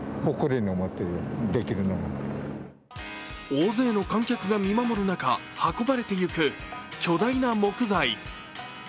大勢の観客が見守る中、運ばれていく巨大な木材。